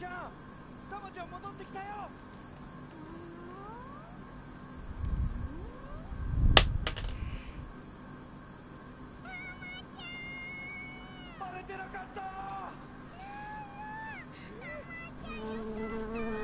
タマちゃんよかった！